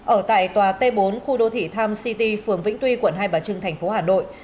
ở tại tòa t bốn khu đô thị tham city phường vĩnh tuy quận hai bà trưng tp hà nội